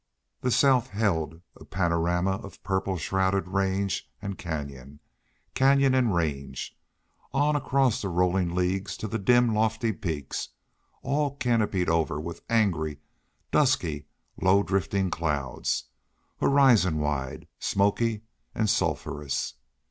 The south held a panorama of purple shrouded range and canyon, canyon and range, on across the rolling leagues to the dim, lofty peaks, all canopied over with angry, dusky, low drifting clouds, horizon wide, smoky, and sulphurous.